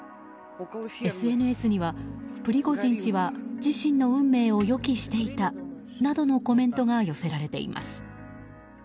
ＳＮＳには、プリゴジン氏は自身の運命を予期していたなどのコメントが寄せられています。